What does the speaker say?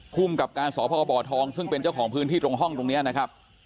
ภูมิกับการสพบทองซึ่งเป็นเจ้าของพื้นที่ตรงห้องตรงนี้นะครับ